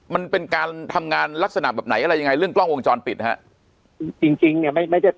มันเป็นการทำงานลักษณะแบบไหนอะไรยังไงเรื่องกล้องวงจรปิดฮะจริงจริงเนี่ยไม่ไม่ใช่